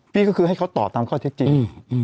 พี่ก็คือให้เขาตอบตามข้อเท็จจริง